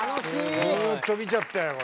ずっと見ちゃったよ。